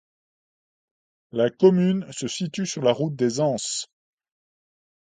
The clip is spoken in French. La commune se situe sur la route des Anses.